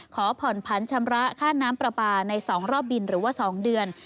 ขอผ่อนพันธ์ชำระค่าน้ำปรับปราส่งใน๒รอบบินหรือ๒เดือน